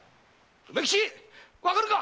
梅吉わかるか？